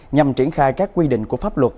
nhằm triển khai các quy định của pháp luật